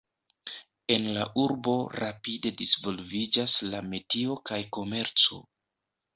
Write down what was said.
En la urbo rapide disvolviĝas la metio kaj komerco.